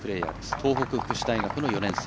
東北福祉大学の４年生。